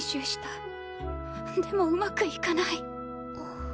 でもうまくいかない。